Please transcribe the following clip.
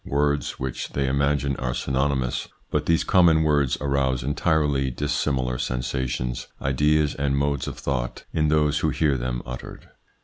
36 THE PSYCHOLOGY OF PEOPLES: words which they imagine are synonymous, but these common words arouse entirely dissimilar sensations, ideas, and modes of thought in those who hear them uttered.